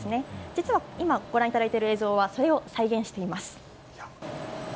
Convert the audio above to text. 実は今ご覧いただいている映像はそれを再現しています。